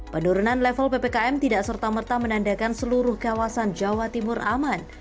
penurunan level ppkm tidak serta merta menandakan seluruh kawasan jawa timur aman